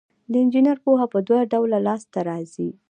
د انجینر پوهه په دوه ډوله لاس ته راځي.